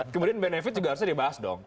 kemudian benefit juga harusnya dibahas dong